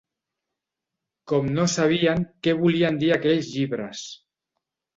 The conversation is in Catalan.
Com no sabien què volien dir aquells llibres